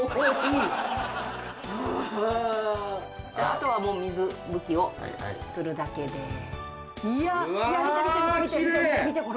あとはもう水拭きをするだけです。